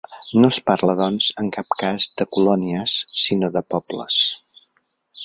No es parla, doncs, en cap cas de ‘colònies’ sinó de ‘pobles’.